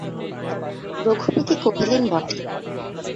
রঘুপতি কহিলেন বটে!